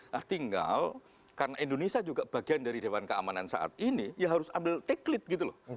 nah tinggal karena indonesia juga bagian dari dewan keamanan saat ini ya harus ambil take lead gitu loh